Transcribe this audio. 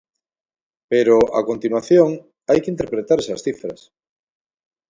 Pero, a continuación, hai que interpretar esas cifras.